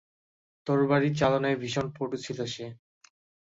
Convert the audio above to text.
তরবারি চালনায় ভীষণ পটু ছিল সে।